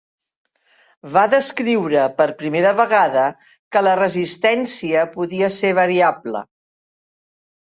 Va descriure per primera vegada que la resistència podia ser variable.